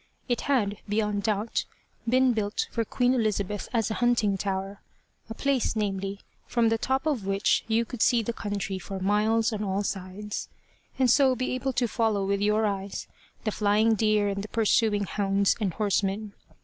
It had, beyond doubt, been built for Queen Elizabeth as a hunting tower a place, namely, from the top of which you could see the country for miles on all sides, and so be able to follow with your eyes the flying deer and the pursuing hounds and horsemen.